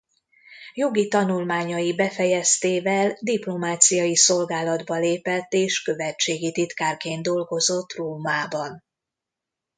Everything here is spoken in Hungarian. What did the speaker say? Jogi tanulmányai befejeztével diplomáciai szolgálatba lépett és követségi titkárként dolgozott Rómában.